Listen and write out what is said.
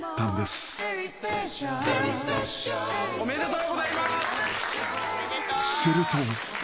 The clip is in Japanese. ［すると］